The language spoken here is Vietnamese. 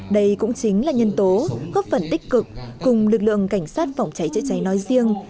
đây cũng chính là nhân tố góp phần tích cực cùng lực lượng cảnh sát phòng cháy chữa cháy nói riêng